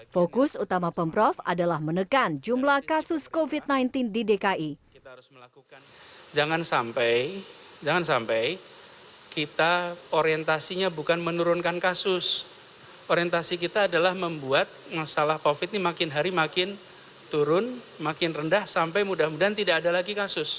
fokus utama pemprov adalah menekan jumlah kasus covid sembilan belas di dki